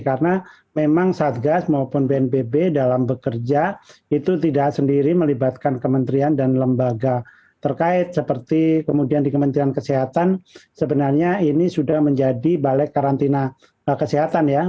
karena memang satgas maupun bnbb dalam bekerja itu tidak sendiri melibatkan kementerian dan lembaga terkait seperti kemudian di kementerian kesehatan sebenarnya ini sudah menjadi balai karantina